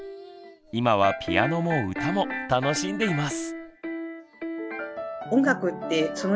今はピアノも歌も楽しんでいます。